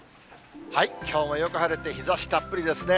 きょうもよく晴れて、日ざしたっぷりですね。